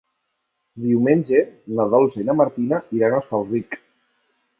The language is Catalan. Diumenge na Dolça i na Martina iran a Hostalric.